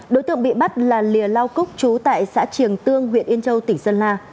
đối tượng bị bắt là lìa lao cúc chú tại xã triềng tương huyện yên châu tỉnh sơn la